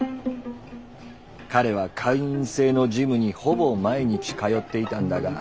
彼は会員制のジムにほぼ毎日通っていたんだが。